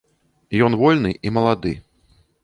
Ён вольны і малады.